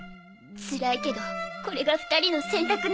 つらいけどこれが２人の選択なんです。